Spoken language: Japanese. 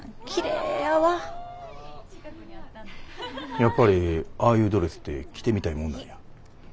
やっぱりああいうドレスって着てみたいもんなんや。